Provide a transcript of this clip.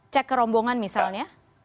cek kerombongan misalnya